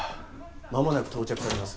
まもなく到着されます